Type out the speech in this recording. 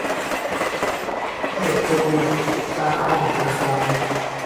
เทสตูจากหม้อใส่จาน